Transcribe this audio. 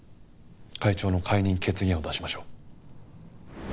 会長の解任決議案を出しましょう。